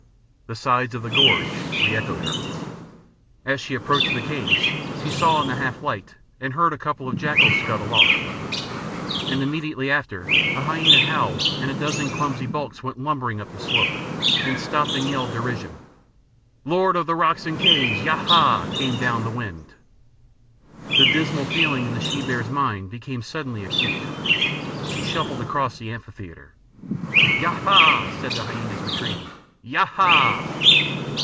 The sides of the gorge re echoed her. As she approached the caves she saw in the half light, and heard a couple of jackals scuttle off, and immediately after a hyæna howled and a dozen clumsy bulks went lumbering up the slope, and stopped and yelled derision. "Lord of the rocks and caves ya ha!" came down the wind. The dismal feeling in the she bear's mind became suddenly acute. She shuffled across the amphitheatre. "Ya ha!" said the hyænas, retreating. "Ya ha!"